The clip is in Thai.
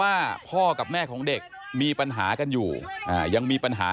อย่าอย่าอย่าอย่าอย่าอย่าอย่าอย่าอย่าอย่าอย่า